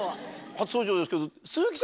初登場ですけど。